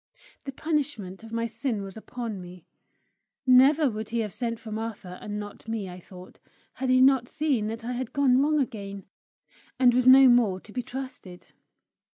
The punishment of my sin was upon me. Never would he have sent for Martha and not me, I thought, had he not seen that I had gone wrong again, and was no more to be trusted.